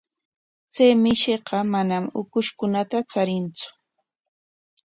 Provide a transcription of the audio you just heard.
Chay mishiqa manam ukushkunata charintsu.